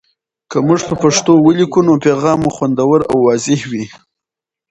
که موږ په پښتو ولیکو، نو پیغام مو خوندور او واضح وي.